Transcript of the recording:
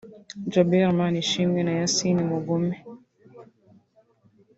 Djabel Manishimwe na Yassin Mugume